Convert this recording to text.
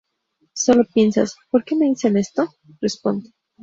solo piensas “¿por qué me dicen esto?”, responde